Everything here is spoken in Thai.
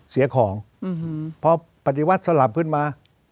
เสียของพอปฏิวัติสลับขึ้นมา